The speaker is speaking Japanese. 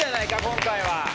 今回は。